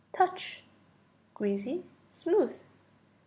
Touch. Greasy, smooth.